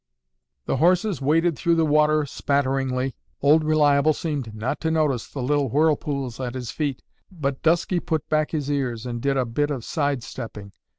The horses waded through the water spatteringly. Old Reliable seemed not to notice the little whirlpools at his feet, but Dusky put back his ears and did a bit of side stepping.